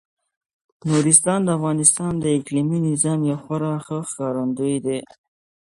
نورستان د افغانستان د اقلیمي نظام یو خورا ښه ښکارندوی دی.